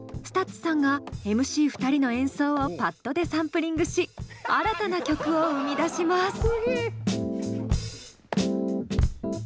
ＳＴＵＴＳさんがＭＣ２人の演奏をパッドでサンプリングし新たな曲を生み出します！